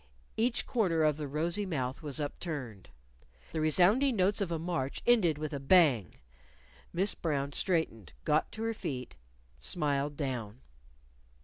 Each corner of the rosy mouth was upturned. The resounding notes of a march ended with a bang. Miss Brown straightened got to her feet smiled down.